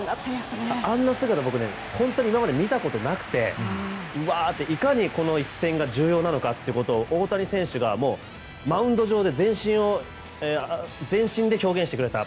あんな姿、僕見たことなくていかに、この一戦が重要なのかを大谷選手がマウンド上で全身で表現してくれた。